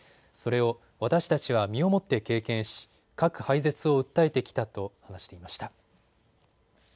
それを私たちは身をもって経験し核廃絶を訴えてきたと話していました。